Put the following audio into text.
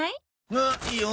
ああいいよ。